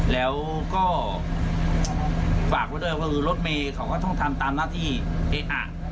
แล้วก็ฝากไว้ด้วยว่าคือรถเมย์เขาก็ต้องทำตามหน้าที่เออะ